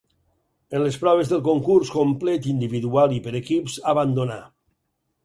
En les proves del concurs complet individual i per equips abandonà.